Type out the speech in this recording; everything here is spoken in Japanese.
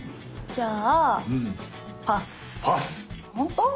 じゃあ。